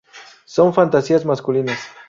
Son fantasías masculinas.